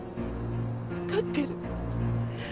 分かってる。